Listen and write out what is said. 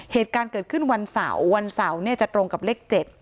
เหตุการณ์เกิดขึ้นวันเสาร์วันเสาร์เนี่ยจะตรงกับเลข๗